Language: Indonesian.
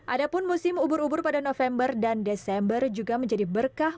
adapun musim ubur ubur pada november dan desember juga menjadi berkah